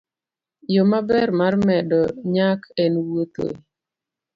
Yo maber mar medo nyak en wuotho e